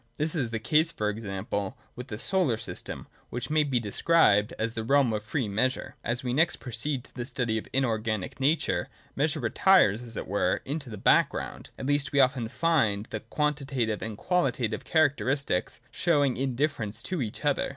This is the case, for example, with the solar system, which may be described as the realm of free measures. As we next proceed to the study of inorganic nature, measure retires, as it were, into the background ; at least we often find the quantitative and qualitative characteristics showing indifference to each other.